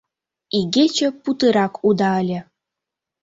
Игече путырак уда ыле.